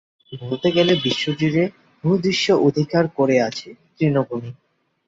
বলতে গেলে বিশ্বজুড়ে ভূদৃশ্য অধিকার করে আছে তৃণভূমি।